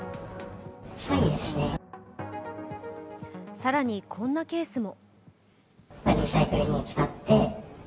更にこんなケースも。